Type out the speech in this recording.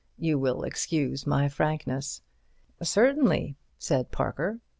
You will excuse my frankness." "Certainly," said Parker.